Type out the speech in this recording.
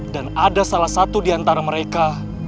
dan ada salah satu diantara mereka